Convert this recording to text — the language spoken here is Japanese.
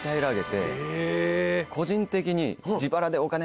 個人的に。